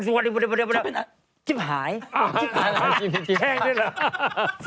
แทรงด้วยเหรอ